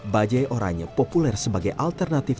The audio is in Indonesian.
bajai oranye populer sebagai alternatif